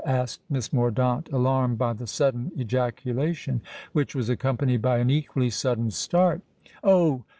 asked Miss Mordaunt, alarmed by the sudden ejaculation, which was accompanied by an equally sudden start. "Oh!